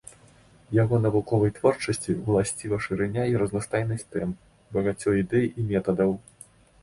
Яго навуковай творчасці ўласціва шырыня і разнастайнасць тэм, багацце ідэй і метадаў.